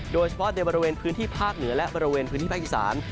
โดยเฉพาะในบริเวณพื้นที่ภาคเหนือและบริเวณพื้นที่ภาคอีสาน